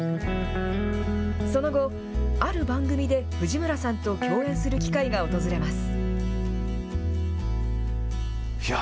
その後、ある番組で藤村さんと共演する機会が訪れます。